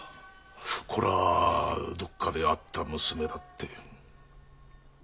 これはどこかで会った娘だって。